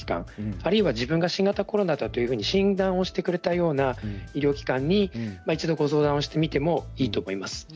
あるいは自分が新型コロナだと診断してくれたような医療機関に一度ご相談してみてもいいと思います。